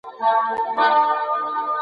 د ولسي جرګي رییس څنګه ټاکل کیږي؟